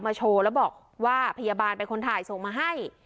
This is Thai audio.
โชว์แล้วบอกว่าพยาบาลเป็นคนถ่ายส่งมาให้